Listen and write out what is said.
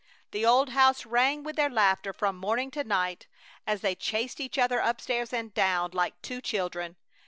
The old house rang with their laughter from morning to night as they chased each other up stairs and down, like two children.